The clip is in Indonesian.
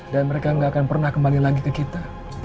dan mereka gak akan pernah kembali lagi ke kita